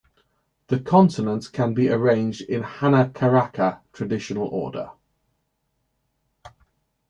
The consonants can be arranged in "hanacaraka" traditional order.